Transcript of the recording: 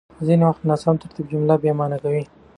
ځينې وخت ناسم ترتيب جمله بېمعنا کوي.